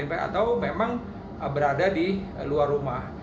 atau memang berada di luar rumah